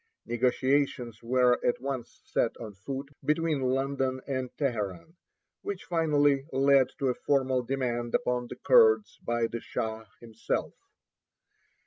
Negotiations were at once set on foot between London and Teheran, which finally led to a formal demand upon the Kurds by the Shah himself.